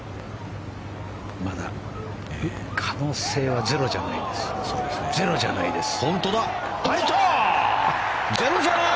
まだ可能性はゼロじゃないです。